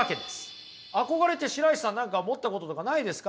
憧れって白石さん何か持ったこととかないですか？